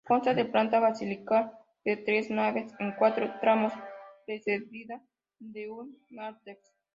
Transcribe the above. Consta de planta basilical de tres naves con cuatro tramos precedida de un nártex.